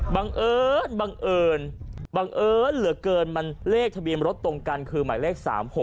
บังเอิญเหลือเกินเลขทะบีมรถตรงกันคือหมายเลข๓๖๕